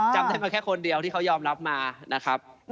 จำได้มาแค่คนเดียวที่เขายอมรับมานะครับ